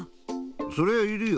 そりゃいるよ。